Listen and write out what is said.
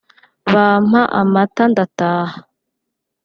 bampa amata ndataha